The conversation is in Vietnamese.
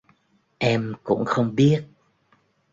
Em cũng không biết